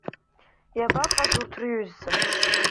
Иабаҟаз урҭ рҩызцәа?